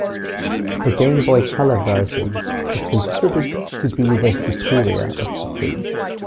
The Game Boy Color version is considered to be the superior of the two.